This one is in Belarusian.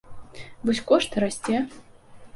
Вось кошт і расце.